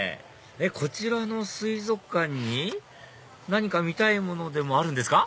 こちらの水族館に何か見たいものでもあるんですか？